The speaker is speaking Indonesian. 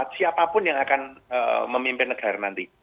siapapun yang akan memimpin negara nanti